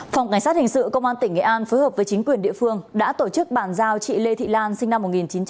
phòng cảnh sát hình sự công an tỉnh nghệ an phối hợp với chính quyền địa phương đã tổ chức bàn giao chị lê thị lan sinh năm một nghìn chín trăm tám mươi